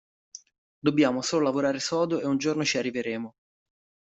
Dobbiamo solo lavorare sodo e un giorno ci arriveremo.